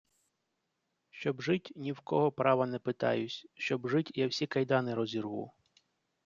Щоб жить – ні в кого права не питаюсь, Щоб жить – я всі кайдани розірву